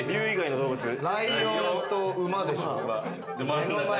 ライオンと馬でしょ？